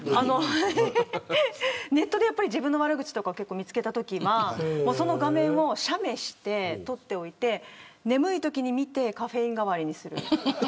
ネットで自分の悪口を見つけたときはその画面を写メして撮っておいて眠いときに見てカフェイン代わりにする。